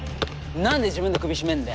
何で自分の首絞めんだよ？